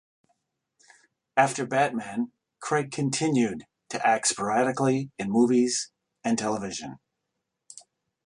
After "Batman", Craig continued to act sporadically in movies and television.